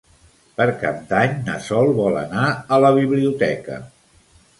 Per Cap d'Any na Sol vol anar a la biblioteca.